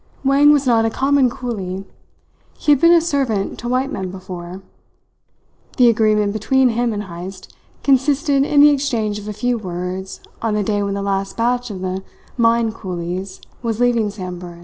Wang was not a common coolie. He had been a servant to white men before. The agreement between him and Heyst consisted in the exchange of a few words on the day when the last batch of the mine coolies was leaving Samburan.